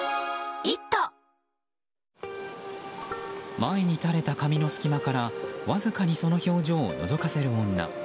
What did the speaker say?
前に垂れた髪の隙間からわずかにその表情をのぞかせる女。